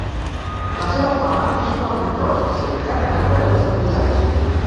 La seva fama és com a pintor especialitzat en aquarel·les de paisatge.